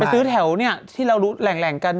ซื้อแถวที่เรารู้แหล่งกัน